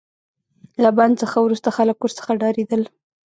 له بند څخه وروسته خلک ورڅخه ډاریدل.